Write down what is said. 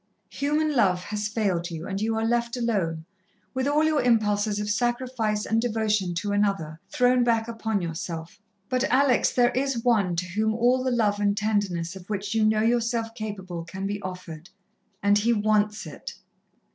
"Human love has failed you, and you are left alone, with all your impulses of sacrifice and devotion to another thrown back upon yourself. But, Alex, there is One to whom all the love and tenderness of which you know yourself capable can be offered and He wants it.